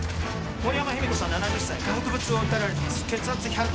森山日美子さん７０歳下腹部痛を訴えられています。